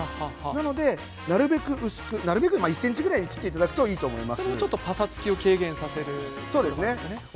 なので、なるべく薄く１ｃｍぐらいに切っていただくといいと思います。